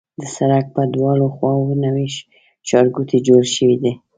د سړک پر دواړو خواوو نوي ښارګوټي جوړ شوي دي.